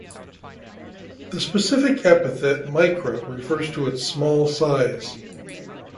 The specific epithet "micra" refers to its small size.